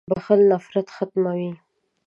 • بخښل نفرت ختموي.